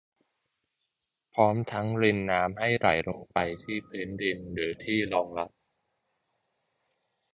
พร้อมทั้งรินน้ำให้ไหลลงไปที่พื้นดินหรือที่รองรับ